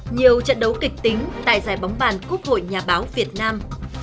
nhiều trận đấu kịch tính tại giải bóng bàn quốc hội nhà báo việt nam